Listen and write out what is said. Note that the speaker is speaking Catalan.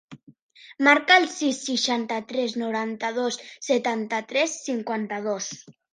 Marca el sis, seixanta-tres, noranta-dos, setanta-tres, cinquanta-dos.